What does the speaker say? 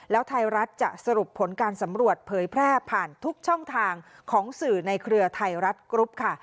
แล้วไทยรัฐจะสรุปผลการสำรวจเผยแพร่ผ่านทุกช่องทางของสื่อในเครือไทยรัฐกรุ๊ปค่ะ